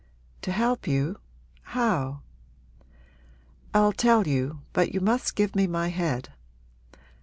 'To help you how?' 'I'll tell you but you must give me my head.